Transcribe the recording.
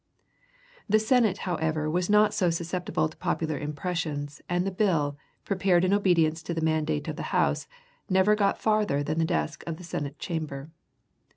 The Senate, however, was not so susceptible to popular impressions, and the bill, prepared in obedience to the mandate of the House, never got farther than the desk of the Senate Chamber.